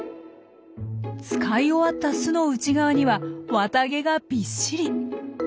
使い終わった巣の内側には綿毛がびっしり。